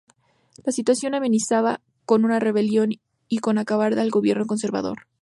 La situación amenazaba con una rebelión y con acabar el gobierno conservador.